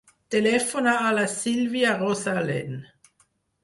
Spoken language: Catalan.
Telefona a la Sílvia Rozalen.